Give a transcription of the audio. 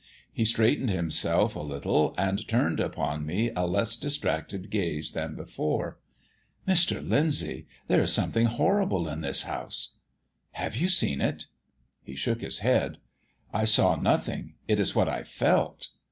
He straightened himself a little, and turned upon me a less distracted gaze than before. "Mr. Lyndsay, there is something horrible in this house." "Have you seen it?" He shook his head. "I saw nothing; it is what I felt."